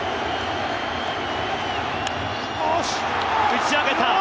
打ち上げた！